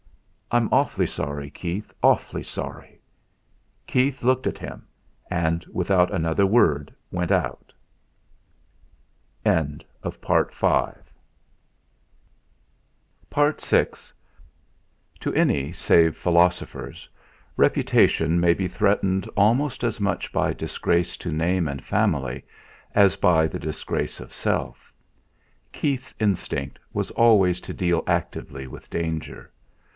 I'm awfully sorry, Keith; awfully sorry." Keith looked at him, and without another word went out. VI To any, save philosophers, reputation may be threatened almost as much by disgrace to name and family as by the disgrace of self. Keith's instinct was always to deal actively with danger.